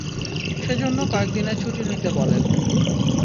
সেজন্য কয়েকদিনের ছুটি নিতে বলেন।